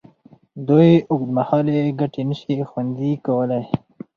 د دوی اوږدمهالې ګټې نشي خوندي کولې.